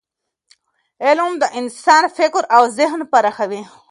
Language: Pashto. علم د انسان فکر او ذهن پراخوي.